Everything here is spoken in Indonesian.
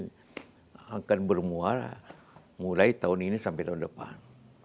ini akan bermuara mulai tahun ini sampai tahun depan